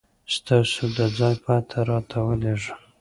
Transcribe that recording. ستاسو د ځای پته راته ولېږه